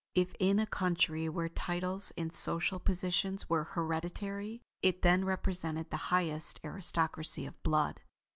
If in a country where titles and social positions were hereditary, it then represented the highest aristocracy of blood.